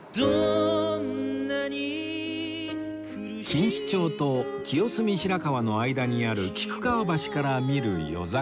錦糸町と清澄白河の間にある菊川橋から見る夜桜